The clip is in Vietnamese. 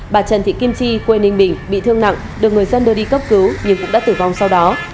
bà trần thị kim chi quê ninh bình bị thương nặng được người dân đưa đi cấp cứu nhưng cũng đã tử vong sau đó